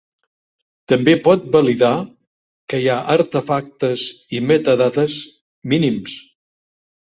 També pot validar que hi ha artefactes i metadades mínims.